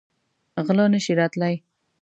غله نه شي راتلی.